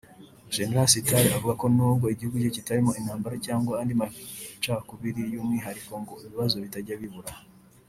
Gen Sitali avuga ko nubwo igihugu cye kitarimo intambara cyangwa andi macakubiri y’umwihariko ngo ibibazo ntibijya bibura